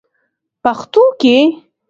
پښتو کې: